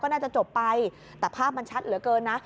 น่าจะจบไปแต่ภาพมันชัดเหลือเกินนะ